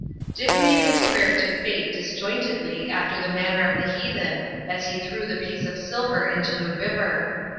Dick made his prayer to Fate disjointedly after the manner of the heathen as he threw the piece of silver into the river.